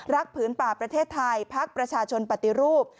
ผืนป่าประเทศไทยพักประชาชนปฏิรูป